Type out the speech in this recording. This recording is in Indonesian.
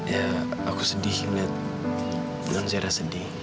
ya aku sedih ngeliat non zero sedih